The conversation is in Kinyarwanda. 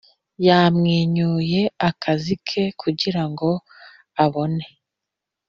yamwenyuye akazi ke kugirango abone?